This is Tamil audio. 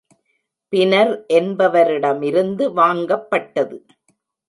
பினர் என்பவரிடமிருந்து வாங்கப்பட்டது.